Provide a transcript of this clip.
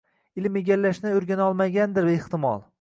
Ilm egallashni oʻrganolmagandir ehtimol